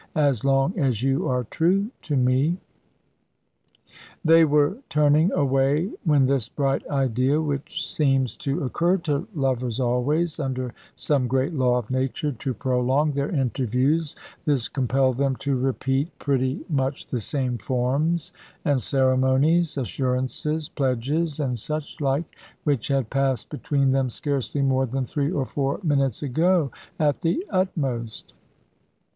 As long as you are true to me " They were turning away, when this bright idea, which seems to occur to lovers always, under some great law of nature, to prolong their interviews; this compelled them to repeat pretty much the same forms, and ceremonies, assurances, pledges, and suchlike, which had passed between them scarcely more than three or four minutes ago, at the utmost.